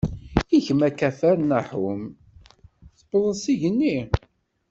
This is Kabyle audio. I kem, a Kafar Naḥum, tewwḍeḍ igenni?